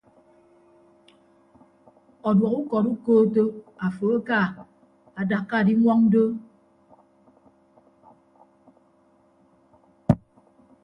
Ọduọk ukọd ukootto afo aka dakka diñwọñ doo.